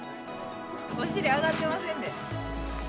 お尻上がってませんね。